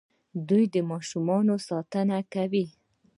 دوی د ماشومانو ساتنه کوي.